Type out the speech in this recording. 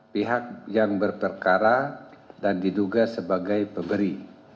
pihak yang berperkara dan diduga sebagai pemberi